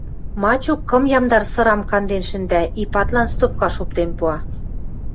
Мачук кым ямдар сырам канден шӹндӓ, Ипатлан стопкаш оптен пуа.